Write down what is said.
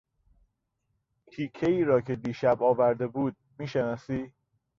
تیکهای را که دیشب آورده بود میشناسی؟